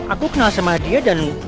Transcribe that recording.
aku kenal sama dia dan